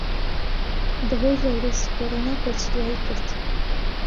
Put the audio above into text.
بەھۆی ڤایرۆسی کۆرۆنا کۆچی دواییی کرد